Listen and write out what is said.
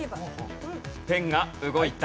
ペンが動いた。